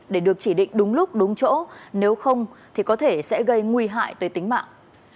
để được chỉ định đúng lúc đúng chỗ nếu không thì có thể sẽ gây nguy hại tới tính mạng